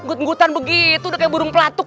gut gutan begitu udah kayak burung pelatuk